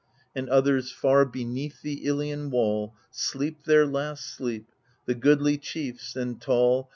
And others, far beneath the Ilian wall, Sleep their last sleep — the goodly chiefs and tall.